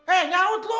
eh nyaut lo